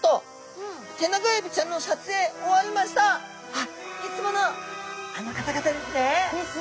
あっいつものあの方々ですね！ですね！